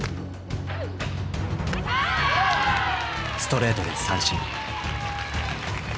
ストレートで三振。